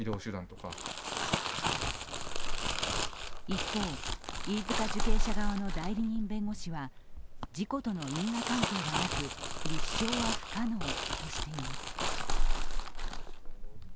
一方、飯塚受刑者側の代理人弁護士は事故との因果関係はなく、立証は不可能としています。